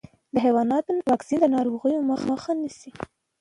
د حیواناتو واکسین د ناروغیو مخه نيسي.